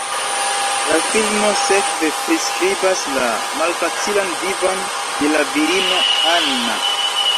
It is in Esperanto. La filmo sekve priskribas la malfacilan vivon de la virino, Anna.